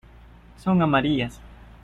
son amarillas.